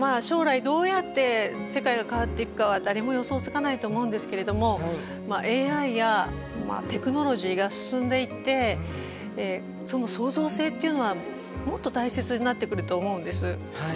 将来どうやって世界が変わっていくかは誰も予想つかないと思うんですけれどもＡＩやテクノロジーが進んでいってその創造性っていうのはもっと大切になってくると思うんです。